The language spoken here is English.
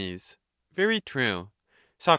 Very true. Soc.